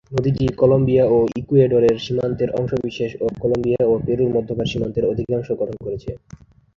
নদীটি কলম্বিয়া ও ইকুয়েডরের সীমান্তের অংশবিশেষ এবং কলম্বিয়া ও পেরুর মধ্যকার সীমান্তের অধিকাংশ গঠন করেছে।